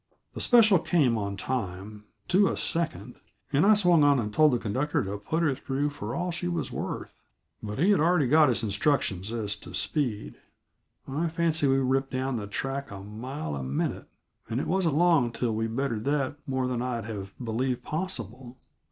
The special came, on time to a second, and I swung on and told the conductor to put her through for all she was worth but he had already got his instructions as to speed, I fancy; we ripped down the track a mile a minute and it wasn't long till we bettered that more than I'd have believed possible.